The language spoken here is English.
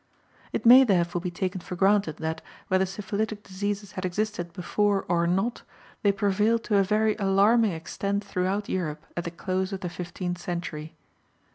It may therefore be taken for granted that, whether syphilitic diseases had existed before or not, they prevailed to a very alarming extent throughout Europe at the close of the fifteenth century.